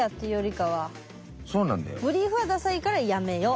ブリーフはダサいからやめよう。